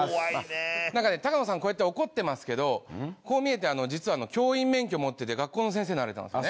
なんかね高野さんこうやって怒ってますけどこう見えて実は教員免許持ってて学校の先生になれたんですね。